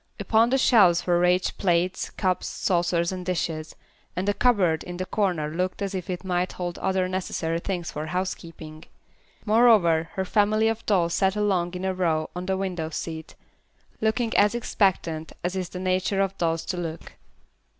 Upon the shelves were ranged plates, cups, saucers and dishes, and a cupboard in the corner looked as if it might hold other necessary things for housekeeping. Moreover, her family of dolls sat along in a row on the window seat, looking as expectant as is the nature of dolls to look.